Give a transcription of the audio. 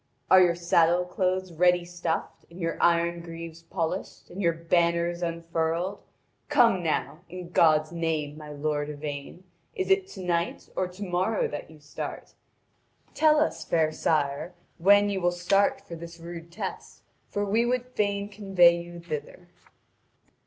Are your saddle cloths ready stuffed, and your iron greaves polished, and your banners unfurled? Come now, in God's name, my lord Yvain, is it to night or to morrow that you start? Tell us, fair sire, when you will start for this rude test, for we would fain convoy you thither.